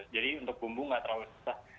jadi untuk bumbu nggak terlalu susah